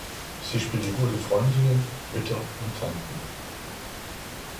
Sie spielte gute Freundinnen, Mütter und Tanten.